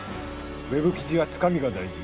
ウェブ記事はつかみが大事。